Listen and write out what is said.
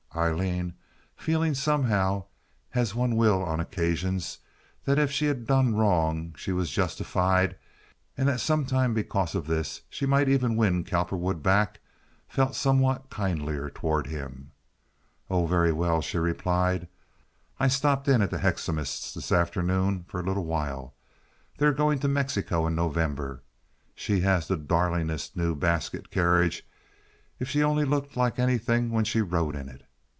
Aileen, feeling somehow, as one will on occasions, that if she had done wrong she was justified and that sometime because of this she might even win Cowperwood back, felt somewhat kindlier toward him. "Oh, very well," she replied. "I stopped in at the Hoecksemas' this afternoon for a little while. They're going to Mexico in November. She has the darlingest new basket carriage—if she only looked like anything when she rode in it.